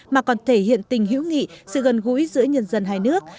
mà còn thể hiện tình hữu nghị sự gần gũi giữa nhân dân hai nước